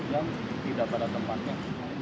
tidak pada tempatnya